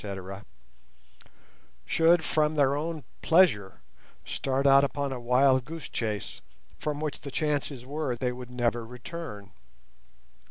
—should from their own pleasure start out upon a wild goose chase, from which the chances were they never would return.